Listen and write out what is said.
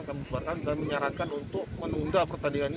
maka kami buarkan dan menyarankan untuk menunda pertandingan ini